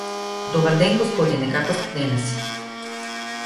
Добар ден Господине, како сте денес?